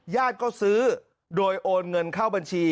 ญาติก็ซื้อโดยโอนเงินเข้าบัญชี